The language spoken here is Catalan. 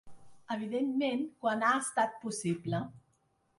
Evidentment, quan ha estat possible.